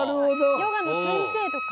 ヨガの先生とか？